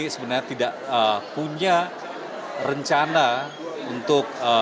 sebenarnya tidak punya rencana untuk